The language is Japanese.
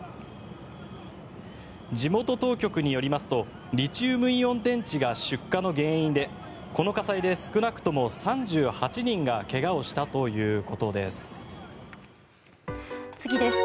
地元当局によりますとリチウムイオン電池が出火の原因でこの火災で少なくとも３８人が怪我をしたということです。